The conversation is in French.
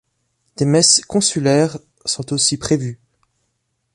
Des messes consulaires sont aussi prévues.